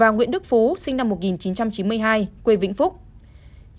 và nguyễn đức phú sinh năm một nghìn chín trăm chín mươi hai quê vĩnh phúc